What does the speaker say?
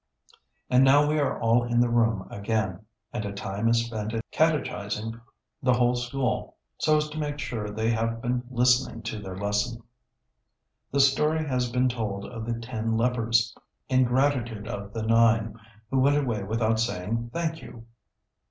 And now we are all in the room again, and a time is spent in catechising the whole school so as to make sure they have been listening to their lesson. The story had been told of the ten lepers, and the ingratitude of the nine, who went away without saying "thank you."